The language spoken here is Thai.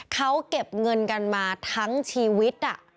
เขาเก็บเงินกันมาทั้งชีวิต